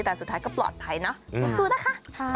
แต่สุดท้ายก็ปลอดภัยเนอะสู้นะคะ